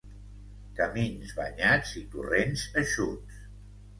Camins banyats i torrents eixuts.